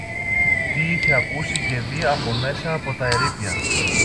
τι είχε ακούσει και δει από μέσα από τα ερείπια